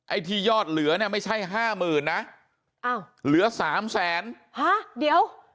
ไอ้ที่ยอดเหลือเนี่ยไม่ใช่ห้าหมื่นนะอ้าวเหลือสามแสนฮะเดี๋ยว